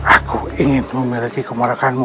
aku ingin memiliki kemarakanmu